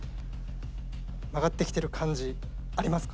曲がってきてる感じありますか？